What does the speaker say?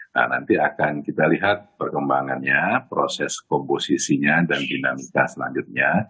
nah nanti akan kita lihat perkembangannya proses komposisinya dan dinamika selanjutnya